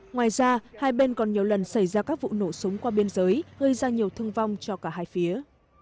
ngoài ra hai bên còn nhiều lần xảy ra các vụ nổ súng qua biên giới gây ra nhiều thương vong cho cả hai phía